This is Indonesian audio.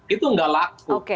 itu tidak laku